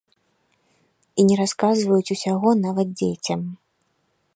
І не расказваюць усяго нават дзецям.